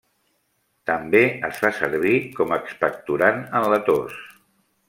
També es fa servir com expectorant en la tos.